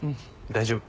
大丈夫。